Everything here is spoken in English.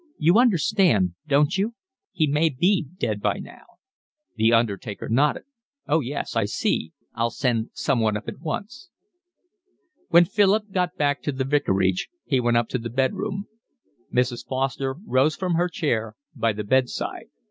You understood, don't you? He may be dead by now." The undertaker nodded. "Oh, yes, I see. I'll send someone up at once." When Philip got back to the vicarage he went up to the bed room. Mrs. Foster rose from her chair by the bed side.